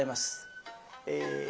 え